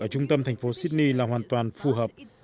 ở trung tâm thành phố sydney là hoàn toàn phù hợp